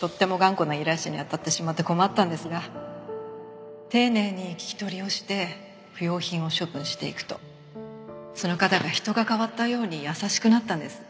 とっても頑固な依頼者に当たってしまって困ったんですが丁寧に聞き取りをして不用品を処分していくとその方が人が変わったように優しくなったんです。